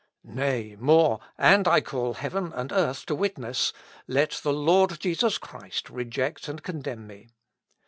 Nay, more, (and I call heaven and earth to witness,) let the Lord Jesus Christ reject and condemn me!